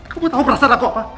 kamu tau perasaan aku apa